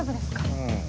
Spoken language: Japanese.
うん。